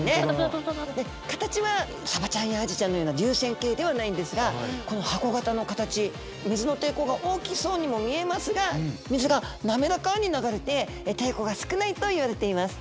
形はサバちゃんやアジちゃんのような流線形ではないんですがこの箱形の形水の抵抗が大きそうにも見えますが水が滑らかに流れて抵抗が少ないといわれています。